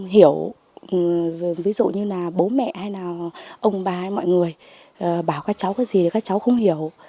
hiểu ví dụ như là bố mẹ hay là ông bà hay mọi người bảo các cháu có gì thì các cháu không hiểu